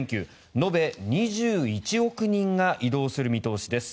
延べ２１億人が移動する見通しです。